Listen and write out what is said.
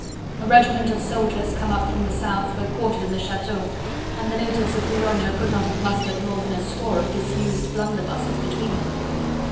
A regiment of soldiers come up from the South were quartered in the Chateau, and the natives of Boulogne could not have mustered more than a score of disused blunderbusses between them.